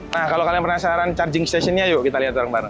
nah kalau kalian penasaran charging stationnya yuk kita lihat bareng bareng